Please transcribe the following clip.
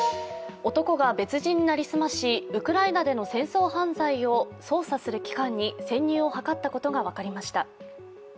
男が別人に成り済まし、ウクライナでの戦争犯罪を捜査する機関に潜入を図ったことが分かりました。